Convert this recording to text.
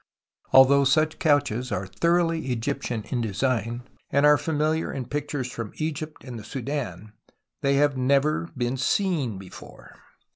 Although such couches are thoroughly Egyptian in design and are familiar in pictures from Egypt and the Soudan, they have never been seen before.